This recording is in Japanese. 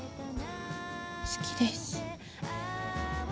好きです。